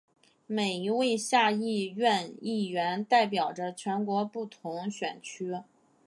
每一位下议院议员代表着全国不同选区。